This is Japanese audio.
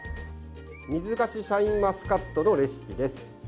「水菓子シャインマスカット」のレシピです。